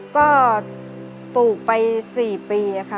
ก็ปลูกไป๔ปีค่ะ